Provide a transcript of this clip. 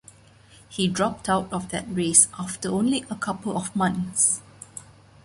He dropped out of that race after only a couple of months.